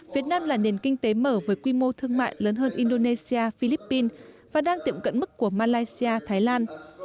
việt nam là nền kinh tế mở với quy mô thương mại lớn hơn indonesia philippines và đang tiệm cận mức của malaysia thái lan